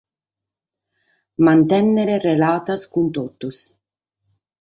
Mantènnere relatas cun totus.